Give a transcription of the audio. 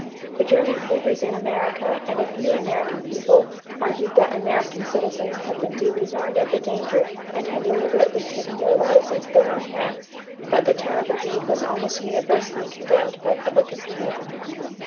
The German papers in America and a few American people argued that American citizens had been duly warned of the danger and had deliberately taken their lives into their own hands; but the terrible deed was almost universally condemned by public opinion.